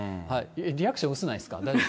リアクション、薄くないですか、大丈夫？